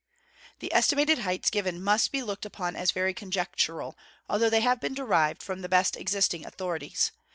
] The estimated heights given must be looked upon as very conjectural, although they have been derived from the best existing authorities.